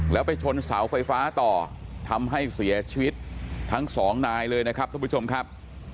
แล้วไปชนเสาไฟฟ้าต่อทำให้เสียชีวิตทั้งสองนายเลยนะครับท่านผู้ชมครับ